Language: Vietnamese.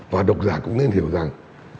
và độc giả cũng nên hiểu rằng